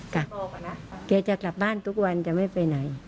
แกจะกลับบ้านทุกวันจะไม่ไปไหน